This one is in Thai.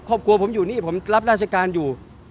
ครอบครัวผมอยู่นี่ผมรับราชการอยู่